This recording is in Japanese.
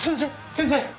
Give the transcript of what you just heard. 先生！